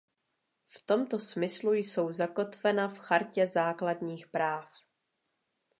V tomto smyslu jsou zakotvena v Chartě základních práv.